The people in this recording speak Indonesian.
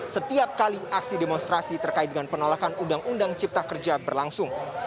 setiap kali aksi demonstrasi terkait dengan penolakan undang undang cipta kerja berlangsung